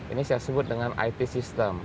ini saya sebut dengan it system